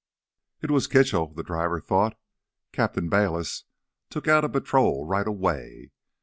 It was Kitchell, th' driver thought. Captain Bayliss took out a patrol right away.